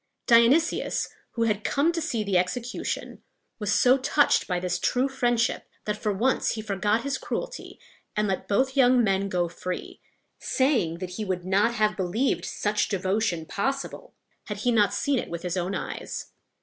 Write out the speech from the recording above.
Dionysius, who had come to see the execution, was so touched by this true friendship, that for once he forgot his cruelty, and let both young men go free, saying that he would not have believed such devotion possible had he not seen it with his own eyes.